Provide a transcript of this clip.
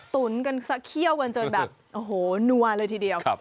ตุ๋นกันสักเขี้ยวกันจนแบบโอ้โหนัวเลยทีเดียว